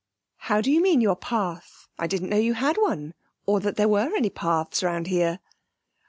'How do you mean, your path? I didn't know you had one or that there were any paths about here.'